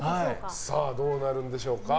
さあ、どうなるんでしょうか？